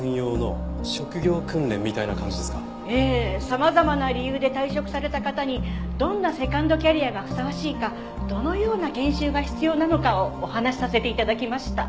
様々な理由で退職された方にどんなセカンドキャリアがふさわしいかどのような研修が必要なのかをお話しさせて頂きました。